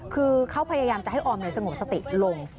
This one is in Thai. คือเขาพยายามจะให้ออมสงบสติลง